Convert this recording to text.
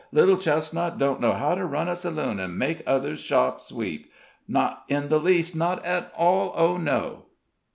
Little Chestnut don't know how to run a saloon, an' make other shops weep not in the least not at all oh, no!"